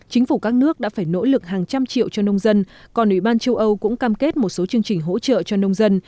chính phủ các nước đã phải nỗ lực hàng trăm triệu cho nông dân còn ủy ban châu âu cũng cam kết một số chương trình hỗ trợ cho nông dân